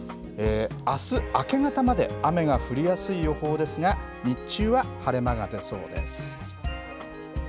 あす、明け方まで雨が降りやすい予報ですが日中は晴れ間が出そうです。